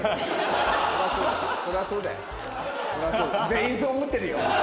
全員そう思ってるよお前。